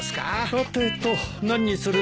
さてと何にする？